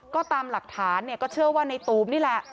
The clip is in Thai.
ก็ตามหลักฐานเนี่ยก็เชื่อว่าในตูมนี่แหละ